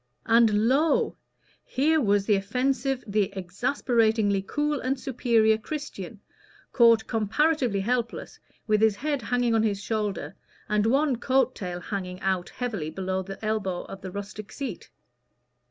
And lo! here was the offensive, the exasperatingly cool and superior Christian, caught comparatively helpless, with his head hanging on his shoulder, and one coat tail hanging out heavily below the elbow of the rustic seat.